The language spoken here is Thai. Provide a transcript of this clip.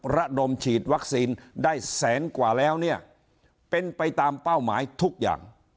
ระดมฉีดวัคซีนได้แสนกว่าแล้วเนี่ยเป็นไปตามเป้าหมายทุกอย่าง